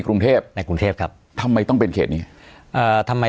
กรุงเทพในกรุงเทพครับทำไมต้องเป็นเขตนี้เอ่อทำไม